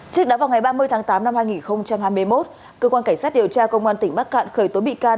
trước đó vào ngày ba mươi tháng tám năm hai nghìn hai mươi một cơ quan cảnh sát điều tra công an tỉnh bắc cạn khởi tố bị can